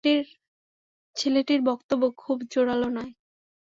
ছেলেটির বক্তব্য খুব জোরাল নয়।